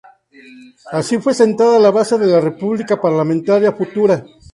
Así fue sentado la base de la república parlamentaria futura.